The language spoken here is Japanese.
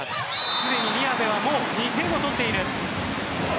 すでに宮部は２点を取っている。